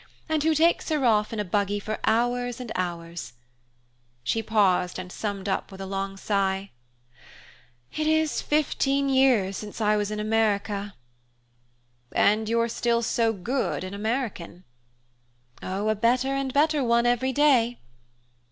and who takes her off in a buggy for hours and hours " She paused and summed up with a long sigh: "It is fifteen years since I was in America." "And you're still so good an American." "Oh, a better and better one every day!"